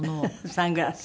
サングラス。